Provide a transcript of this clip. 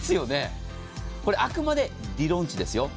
あくまで、理論値ですよ。